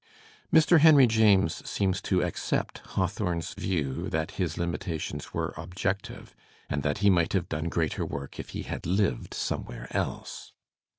Mr. Henry James seems to accept Hawthorne's view that his limitations were objective, and that he might have done greater work if he had lived somewhere else.